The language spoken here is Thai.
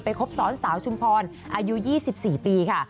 คบซ้อนสาวชุมพรอายุ๒๔ปีค่ะ